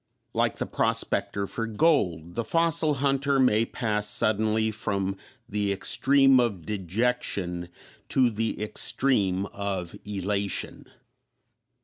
Like the prospector for gold, the fossil hunter may pass suddenly from the extreme of dejection to the extreme of elation.